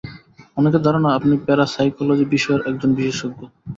অনেকের ধারণা, আপনি প্যারাসাইকোলজি বিষয়ের একজন বিশেষজ্ঞ।